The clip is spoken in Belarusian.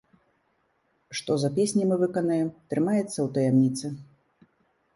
Што за песні мы выканаем, трымаецца ў таямніцы.